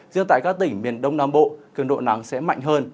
riêng tại các tỉnh miền đông nam bộ cường độ nắng sẽ mạnh hơn